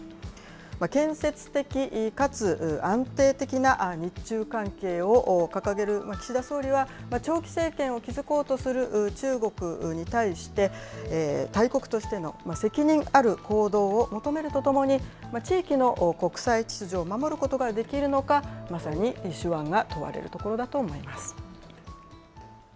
建設的かつ安定的な日中関係を掲げる岸田総理は、長期政権を築こうとする中国に対して、大国としての責任ある行動を求めるとともに、地域の国際秩序を守ることができるのか、まさに手腕が問われるところだと思います。